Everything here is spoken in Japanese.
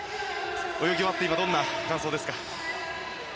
泳ぎ終わって今、どんな感想ですか。